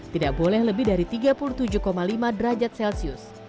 tidak boleh lebih dari tiga puluh tujuh lima derajat celcius